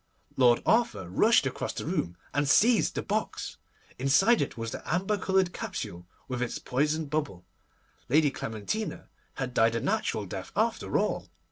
Lord Arthur rushed across the room, and seized the box. Inside it was the amber coloured capsule, with its poison bubble. Lady Clementina had died a natural death after all!